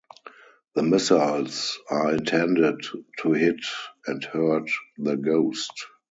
The missiles are intended to hit and hurt the ghost.